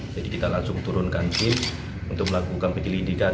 jadi kita langsung turunkan tim untuk melakukan penyelidikan